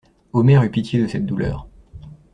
Omer eut pitié de cette douleur.